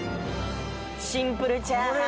シンプルチャーハン。